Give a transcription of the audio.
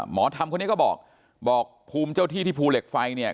หมอธรรมคนนี้ก็บอกบอกภูมิเจ้าที่ที่ภูเหล็กไฟเนี่ย